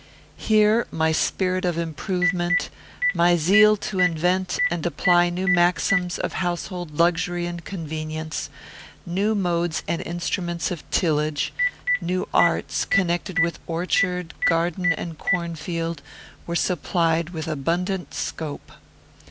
Here my spirit of improvement, my zeal to invent and apply new maxims of household luxury and convenience, new modes and instruments of tillage, new arts connected with orchard, garden, and cornfield, were supplied with abundant scope.